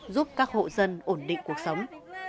giúp các hộ dân ổn định cuộc sống